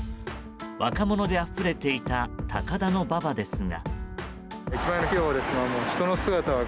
若者であふれていた高田馬場ですが。